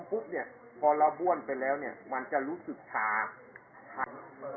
พออมพุกเนี้ยพอเราบ้วนไปแล้วเนี้ยมันจะรู้สึกชาใช่